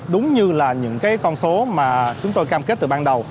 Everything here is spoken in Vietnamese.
đúng như là những cái con số mà chúng tôi cam kết từ ban đầu